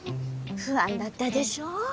不安だったでしょう？